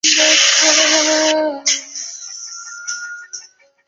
该单曲有初回限定版和通常版两种版本。